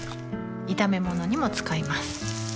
炒め物にも使います